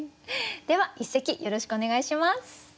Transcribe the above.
では一席よろしくお願いします。